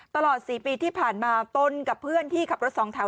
ตลอด๔ปีที่ผ่านมาตนกับเพื่อนที่ขับรถสองแถว